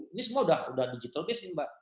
ini semua udah digitalized mbak